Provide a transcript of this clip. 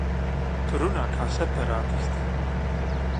Tu runā kā separātiste.